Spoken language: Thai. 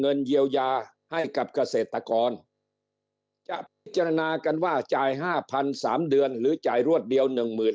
เงินเยียวยาให้กับเกษตรกรจะพิจารณากันว่าจ่าย๕๐๐๓เดือนหรือจ่ายรวดเดียว๑๐๐๐